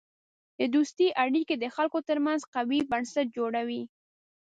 د دوستی اړیکې د خلکو ترمنځ قوی بنسټ جوړوي.